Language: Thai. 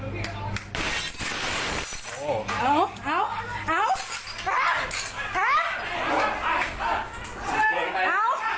พี่น้ำแจ๊วมากเฮ้ยกล้องกัน